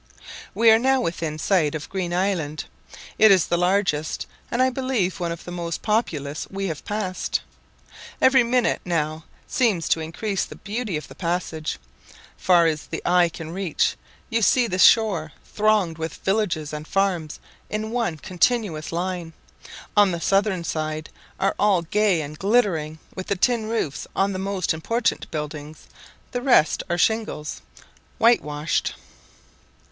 We are now within sight of Green Island. It is the largest, and I believe one of the most populous we have passed. Every minute now seems to increase the beauty of the passage. Far as the eye can reach you see the shore thronged with villages and farms in one continuous line. On the southern side all are gay and glittering with the tin roofs on the most important buildings; the rest are shingles, whitewashed.